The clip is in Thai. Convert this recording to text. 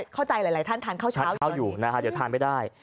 เข้าใจหลายท่านทานข้าวเช้าอยู่นะครับเดี๋ยวทานไม่ได้